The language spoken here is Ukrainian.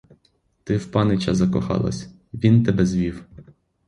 Ти в панича закохалась; він тебе звів!